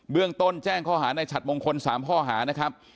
เรื่องต้นแจ้งข้อหาในฉัดมงคล๓ข้อหานะครับ